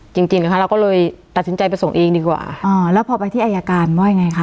จริงจริงนะคะเราก็เลยตัดสินใจไปส่งเองดีกว่าอ่าแล้วพอไปที่อายการว่ายังไงคะ